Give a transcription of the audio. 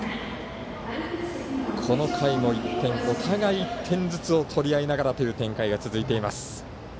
この回の１点、お互い１点ずつを取り合いながらという展開が続いています。